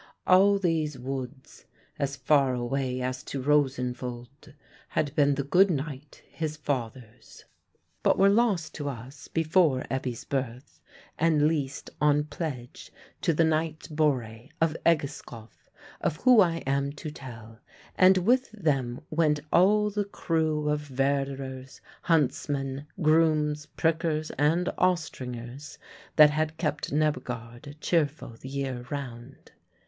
All these woods, as far away as to Rosenvold, had been the good knight his father's, but were lost to us before Ebbe's birth, and leased on pledge to the Knight Borre, of Egeskov, of whom I am to tell; and with them went all the crew of verderers, huntsmen, grooms, prickers, and ostringers that had kept Nebbegaard cheerful the year round.